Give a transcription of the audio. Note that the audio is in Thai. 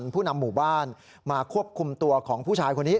ผู้นำหมู่บ้านมาควบคุมตัวของผู้ชายคนนี้